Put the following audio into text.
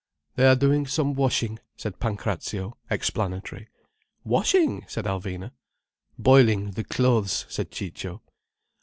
"They are doing some washing," said Pancrazio, explanatory. "Washing!" said Alvina. "Boiling the clothes," said Ciccio.